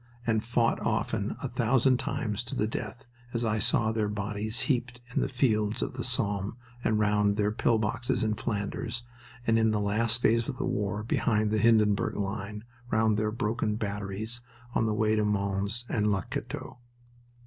and fought often, a thousand times, to the death, as I saw their bodies heaped in the fields of the Somme and round their pill boxes in Flanders and in the last phase of the war behind the Hindenburg line round their broken batteries on the way of Mons and Le Cateau.